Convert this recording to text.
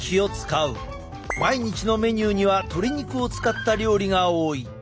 毎日のメニューには鶏肉を使った料理が多い。